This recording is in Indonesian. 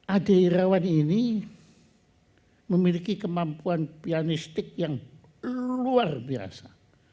ade irawan ini memiliki kemampuan pianistik yang luar biasa